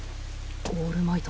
オールマイト。